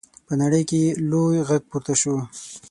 په نړۍ کې یې لوی غږ پورته شو.